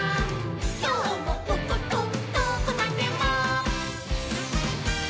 「きょうも『おっとっと』どこまでも」